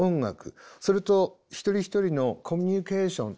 それと一人一人のコミュニケーション